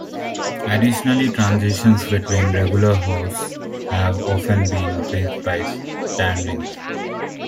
Addotionally, transitions between regular hosts have often been bridged by stand-ins.